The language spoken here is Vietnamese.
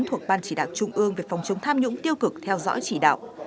thuộc ban chỉ đạo trung ương về phòng chống tham nhũng tiêu cực theo dõi chỉ đạo